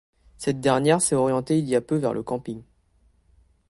Cette dernière s'est orientée il y a peu vers le camping.